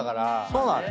そうなのよ。